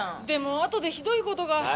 でもあとでひどい事が。